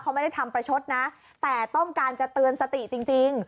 เขาไม่ได้ทำประชดนะแต่ต้องการจะเตือนสติจริง